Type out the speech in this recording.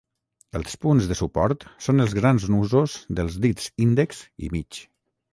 Els punts de suport són els grans nusos dels dits índex i mig.